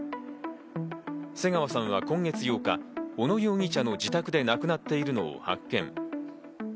瀬川さんは今月８日、小野容疑者の自宅で亡くなっているのを発見。